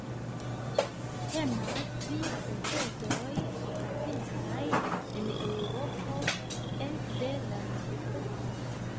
Temas pri procezoj okazintaj en Eŭropo ekde la mezepoko.